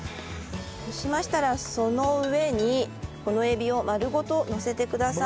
そうしましたらその上にこのエビを丸ごとのせてください。